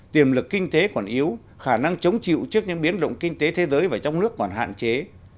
tiềm lực kinh tế còn yếu khả năng chống chịu trước những biến động kinh tế thế giới và trong nước còn hạn chế